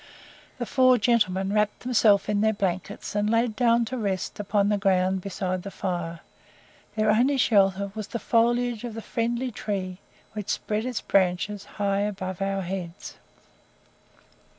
The four gentlemen wrapped themselves in their blankets, and laid down to rest upon the ground beside the fire; their only shelter was the foliage of the friendly tree which spread its branches high above our heads.